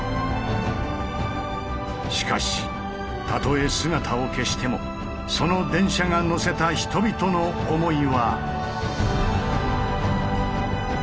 しかしたとえ姿を消してもその電車が乗せた人々の思いは。